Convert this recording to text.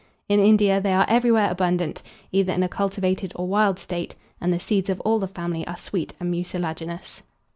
In India they are everywhere abundant, either in a cultivated or wild state, and the seeds of all the family are sweet and mucilaginous.